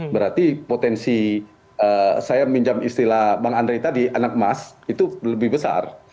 berarti potensi saya minjam istilah bang andre tadi anak emas itu lebih besar